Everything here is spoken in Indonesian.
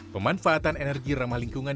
pemanfaatan energi ramah lingkungan